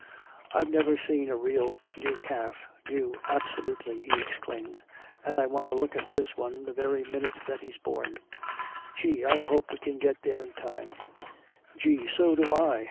"I've never seen a real new calf, new absolutely," he explained. "And I want a look at this one the very minute that he's born. Gee, I hope we can get there in time " "Gee! So do I!"